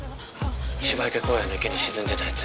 ☎芝池公園の池に沈んでたやつ